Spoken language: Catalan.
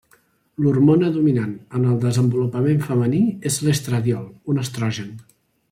L'hormona dominant en el desenvolupament femení és l'estradiol, un estrogen.